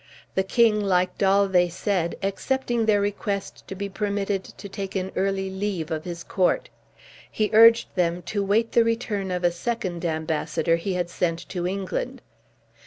The king liked all they said, excepting their request to be permitted to take an early leave of his court. He urged them to wait the return of a second embassador he had sent to England.